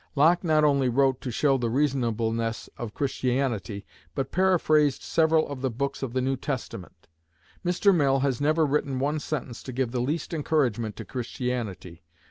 Locke not only wrote to show the "Reasonableness of Christianity," but paraphrased several of the books of the New Testament. Mr. Mill has never written one sentence to give the least encouragement to Christianity.